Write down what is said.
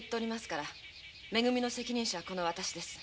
からめ組の責任者はこの私です。